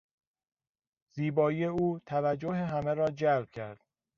زیبایی او توجه همه را جلب کرد.